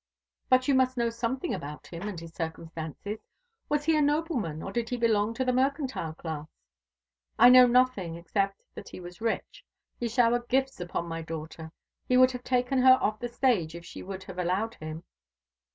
"But you must know something about him and his circumstances. Was he a nobleman, or did he belong to the mercantile class?" "I know nothing except that he was rich. He showered gifts upon my daughter. He would have taken her off the stage if she would have allowed him.